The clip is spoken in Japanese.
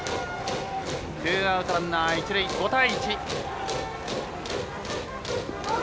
ツーアウトランナー、一塁５対１。